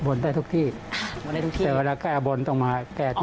บนได้ทุกที่อ๋อต้องมาที่นี่ใช่แต่เวลาแก่บนต้องมา